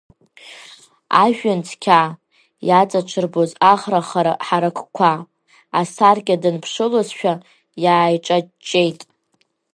Ажәҩан цқьа иаҵаҽырбоз ахра ҳаракқәа, асаркьа данԥшылозшәа иааиҿаҷҷеит.